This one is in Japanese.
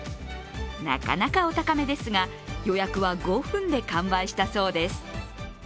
なかなかお高めですが、予約は５分で完売したそうです。